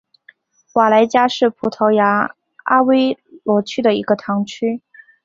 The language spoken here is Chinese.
瓦莱加是葡萄牙阿威罗区的一个堂区。